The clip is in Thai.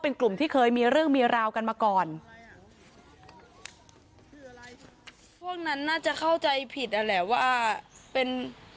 เป็นกลุ่มที่เคยมีเรื่องมีราวกันมาก่อน